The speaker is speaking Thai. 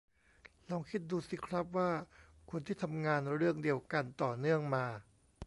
ลองคิดดูสิครับว่า คนที่ทำงานเรื่องเดียวกันต่อเนื่องมา